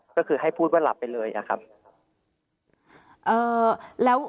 ก็คือให้พูดว่าหลับไปเลยอะครับ